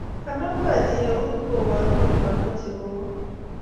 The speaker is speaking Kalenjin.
Konam Haji euu koboru kole mameche kowok.